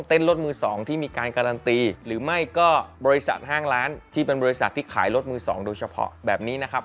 รถมือ๒ที่มีการการันตีหรือไม่ก็บริษัทห้างร้านที่เป็นบริษัทที่ขายรถมือ๒โดยเฉพาะแบบนี้นะครับ